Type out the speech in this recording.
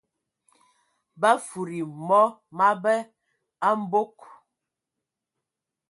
Ba fufudi mɔ məbɛ a mbog.